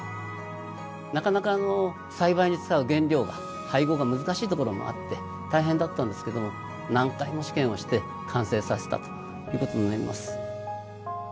なかなか栽培に使う原料が配合が難しいところもあって大変だったんですけども何回も試験をして完成させたということになります。